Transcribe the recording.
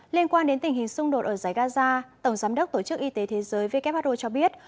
liên quan đến tình hình xung đột ở giải gaza tổng giám đốc tổ chức y tế thế giới who cho biết